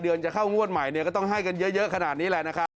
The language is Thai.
จะเข้างวดใหม่เนี่ยก็ต้องให้กันเยอะขนาดนี้แหละนะครับ